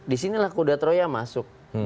disinilah kuda troya masuk